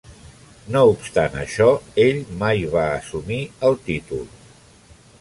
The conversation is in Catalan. No obstant això, ell mai va assumir el títol.